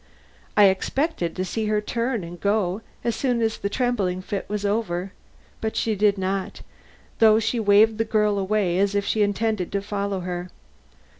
I expected to see her turn and go as soon as her trembling fit was over, but she did not, though she waved the girl away as if she intended to follow her.